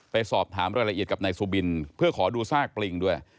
ไปสอบถามรายละเอียดกับนายสุบินเพื่อขอดูซากปลิงด้วย